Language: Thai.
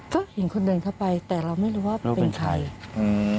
ก็เห็นคนเดินเข้าไปแต่เราไม่รู้ว่าเป็นใครอืม